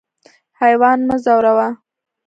حیوان مه ځوروه.